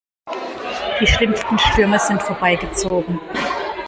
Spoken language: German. Die schlimmsten Stürme sind vorbeigezogen.